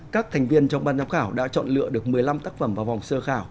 các thành viên trong ban giám khảo đã chọn lựa được một mươi năm tác phẩm vào vòng sơ khảo